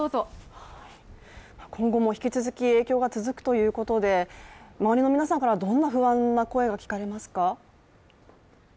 今後も引き続き、影響が続くということで周りの皆さんからどんな不安な声が聞かれますか？